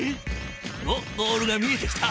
おっゴールが見えてきた。